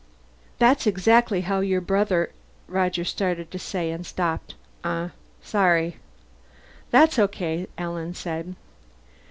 "That's exactly how your brother " Roger started to say, and stopped. "Sorry." "That's okay," Alan said.